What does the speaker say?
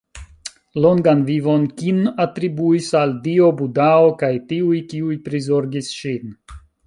Longan vivon Kin atribuis al Dio, Budao, kaj tiuj, kiuj prizorgis ŝin.